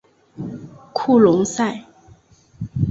库隆塞。